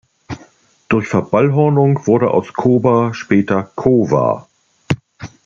Durch Verballhornung wurde aus „Koba“ später „Cova“.